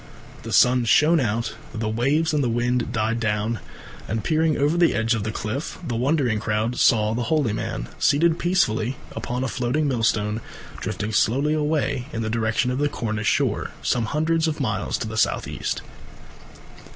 The sun shone out, the waves and the wind died down, and, peering over the edge of the cliff, the wondering crowd saw the holy man, seated peacefully upon a floating millstone, drifting slowly away in the direction of the Cornish shore, some hundreds of miles to the south east.